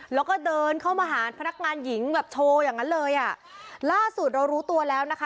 แล้วก็เดินเข้ามาหาพนักงานหญิงแบบโชว์อย่างนั้นเลยอ่ะล่าสุดเรารู้ตัวแล้วนะคะ